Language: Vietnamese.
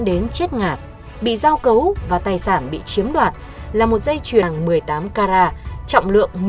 đến chết ngạt bị giao cấu và tài sản bị chiếm đoạt là một dây chuyền đằng một mươi tám carat trọng lượng một mươi